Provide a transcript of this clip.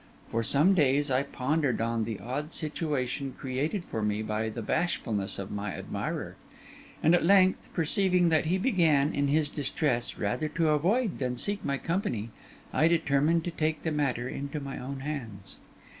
For some days I pondered on the odd situation created for me by the bashfulness of my admirer; and at length, perceiving that he began, in his distress, rather to avoid than seek my company, I determined to take the matter into my own hands.